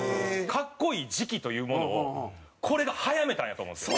格好いい時期というものをこれが早めたんやと思うんですよ。